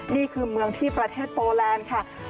นี่คือเมืองที่ประเทศโปแลนด์ค่ะ